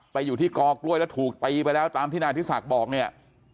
ไปอยู่ที่กอกล้วยแล้วถูกตีไปแล้วตามที่นายอธิศักดิ์บอกเนี่ย